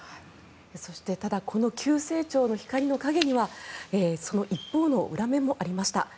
そして、ただこの急成長の光の陰には一方の裏面もありました。